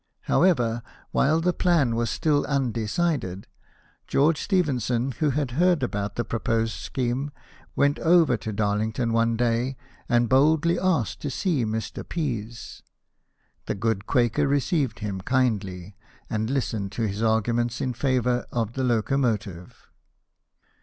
However, while the plan was still undecided, George Stephenson, who had heard about the proposed scheme, went over to Darlington one day, and boldly asked to see Mr. Pease. The good Quaker received him kindly, and listened to his arguments in favour of the locomotive.